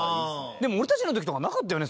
でも俺たちの時とかなかったよね